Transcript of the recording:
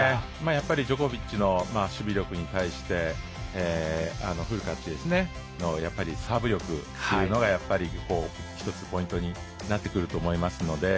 やっぱりジョコビッチの守備力に対してフルカッチのサーブ力がやっぱり１つポイントになってくると思いますので。